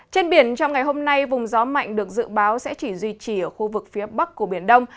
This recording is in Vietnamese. trên biển trong ngày hôm nay vùng gió mạnh được dự báo sẽ chỉ duy trì ở khu vực phía bắc của biển đông